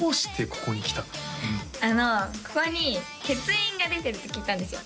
ここに欠員が出てるって聞いたんですよ